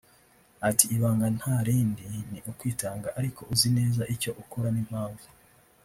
ati “Ibanga nta rindi ni ukwitanga ariko uzi neza icyo ukora n’impamvu